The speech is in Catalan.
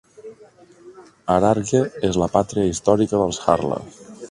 Hararghe és la pàtria històrica dels Harla.